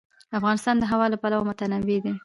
افغانستان د هوا له پلوه متنوع دی.